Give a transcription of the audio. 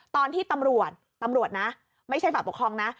ตอนที่ตำรวจตำรวจนะไม่ใช่ฝ่ายปกครองนะ